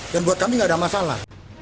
dan buat kami gak ada masalah